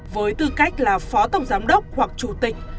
với tư cách là phó tổng giám đốc hoặc chủ tịch